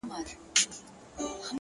د تجربې درد تل بې ګټې نه وي،